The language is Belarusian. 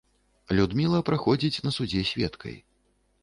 Людміла праходзіць на судзе сведкай.